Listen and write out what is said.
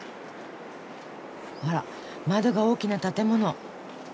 あら窓が大きな建物。